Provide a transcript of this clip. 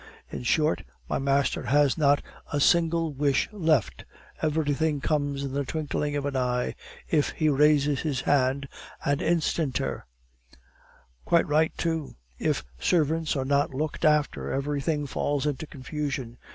In short, my master has not a single wish left; everything comes in the twinkling of an eye, if he raises his hand, and instanter. Quite right, too. If servants are not looked after, everything falls into confusion.